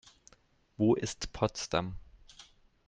Wo ist Potsdam?